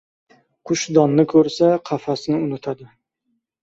• Qush donni ko‘rsa qafasni unutadi.